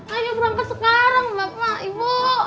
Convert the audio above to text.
ayo berangkat sekarang bapak ibu